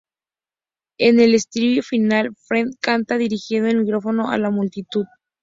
En el estribillo final, Fred canta dirigiendo el micrófono a la multitud.